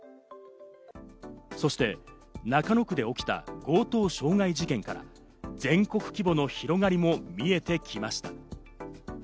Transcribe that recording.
そして中野区で起きた強盗傷害事件から、全国規模の広がりも見えてきました。